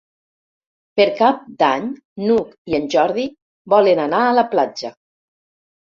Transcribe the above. Per Cap d'Any n'Hug i en Jordi volen anar a la platja.